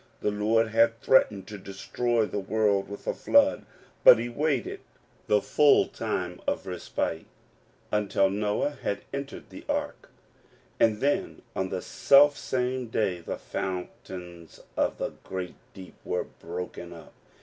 The Lord had threatened to destroy the world with a flood, but he waited the full time of respite until Noah had entered the ark ; and then, on the selfsame day the fountains of the great deep were broken up.